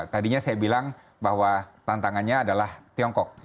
tadinya saya bilang bahwa tantangannya adalah tiongkok